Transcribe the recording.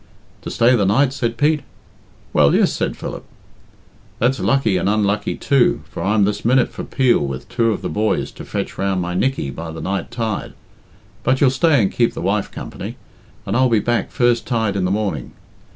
"To stay the night?" said Pete. "Well, yes," said Philip. "That's lucky and unlucky too, for I'm this minute for Peel with two of the boys to fetch round my Nickey by the night tide. But youll stay and keep the wife company, and I'll be back first tide in the morning.